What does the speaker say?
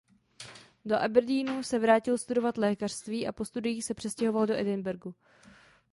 Do Aberdeenu se vrátil studovat lékařství a po studiích se přestěhoval do Edinburghu.